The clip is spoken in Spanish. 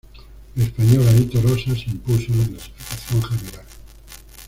El español Aitor Osa se impuso en la clasificación general.